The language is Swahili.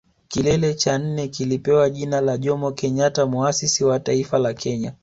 Kilele cha nne kilipewa jina la Jomo Kenyatta Muasisi wa Taifa la Kenya